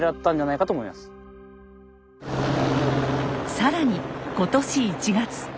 更に今年１月。